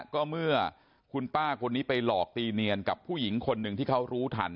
ก็เมื่อคุณป้าคนนี้ไปหลอกตีเนียนกับผู้หญิงคนหนึ่งที่เขารู้ทัน